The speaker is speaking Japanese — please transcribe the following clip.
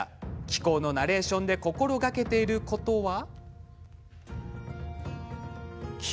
紀行のナレーションで心がけていることとは。